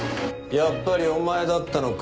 「やっぱりお前だったのか。